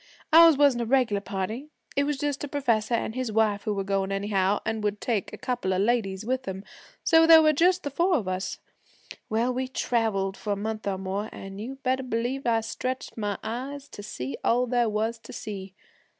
Ours wasn't a regular party. It was just a professor an' his wife who were goin' anyhow, an' would take a couple of ladies with them, so there were just the four of us. Well, we traveled for a month or more, an' you better b'lieve I stretched my eyes to see all there was to see.